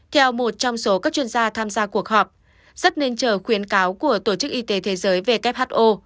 theo một trong số các chuyên gia tham gia cuộc họp rất nên chờ khuyến cáo của tổ chức y tế thế giới who